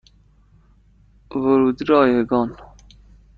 ورودی رایگان